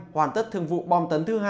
hoàn tất thương vụ bom tấn thứ hai